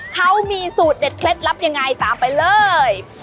เขามีสูตรเด็ดเคล็ดลับยังไงตามไปเลย